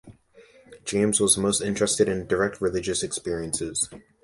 James was most interested in direct religious experiences.